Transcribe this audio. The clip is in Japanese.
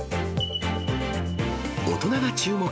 大人が注目！